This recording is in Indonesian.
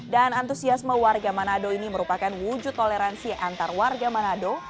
dan antusiasme warga manado ini merupakan wujud toleransi antar warga manado